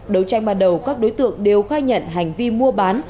đấu tranh ban đầu các đối tượng đều khai nhận hành vi mua bán